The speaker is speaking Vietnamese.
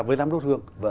với dám đốt hương